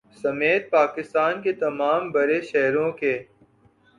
سمیت پاکستان کے تمام بڑے شہروں کے